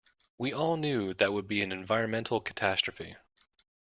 We all knew that would be an environmental catastrophe.